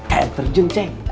air terjun cek